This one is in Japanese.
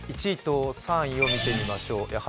１位と３位を見てみましょう。